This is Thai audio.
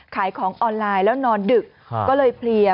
ขายของออนไลน์แล้วนอนดึกก็เลยเพลีย